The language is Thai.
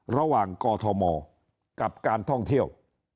ระหว่างกอทอมอร์กับการท่องเที่ยว